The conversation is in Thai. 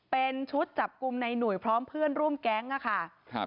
เป็นชุดจับกลุ่มในหนุ่ยพร้อมเพื่อนร่วมแก๊งอะค่ะครับ